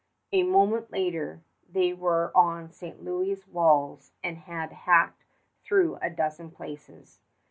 A moment later they were on St. Louis' walls and had hacked through a dozen places.